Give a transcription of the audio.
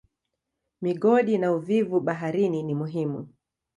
Migodi na uvuvi baharini ni muhimu.